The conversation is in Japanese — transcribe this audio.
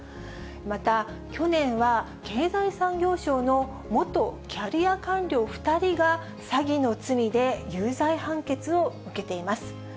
また去年は、経済産業省の元キャリア官僚２人が、詐欺の罪で有罪判決を受けています。